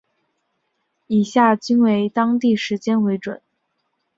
以下均为当地时间为准。